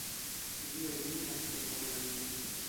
Ĝi originas el Babilonio.